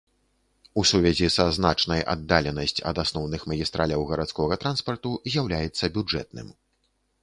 У сувязі са значнай аддаленасць ад асноўных магістраляў гарадскога транспарту з'яўляецца бюджэтным.